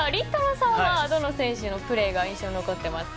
さんはどのプレーが印象に残っていますか？